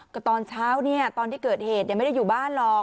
ก็ตอนเช้าเนี่ยตอนที่เกิดเหตุไม่ได้อยู่บ้านหรอก